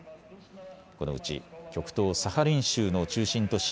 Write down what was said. このうち極東サハリン州の中心都市